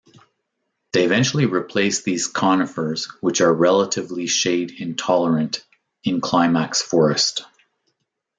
They eventually replace these conifers, which are relatively shade-intolerant, in climax forest.